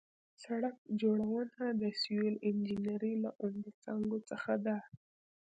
سړک جوړونه د سیول انجنیري له عمده څانګو څخه ده